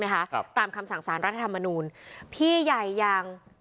ครับตามคำสั่งสารรัฐธรรมนูลพี่ใหญ่อย่าง